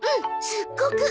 すっごく！